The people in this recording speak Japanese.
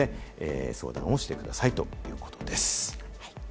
相談をしてくださいということです。